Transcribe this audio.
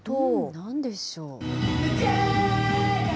なんでしょう。